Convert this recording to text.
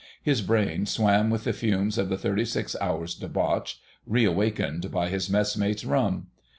His brain swam with the fumes of the thirty six hours' debauch, reawakened by his messmate's rum.